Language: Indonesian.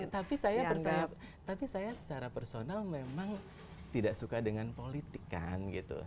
tapi saya berharap tapi saya secara personal memang tidak suka dengan politik kan gitu